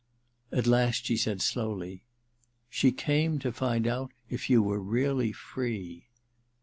At last she said slowly: *She came to find out if you were really free.